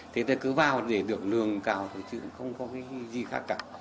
thế tôi cứ vào để được lương cao chứ không có cái gì khác cả